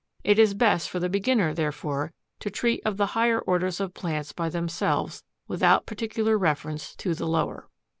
It is best for the beginner, therefore, to treat of the higher orders of plants by themselves, without particular reference to the lower.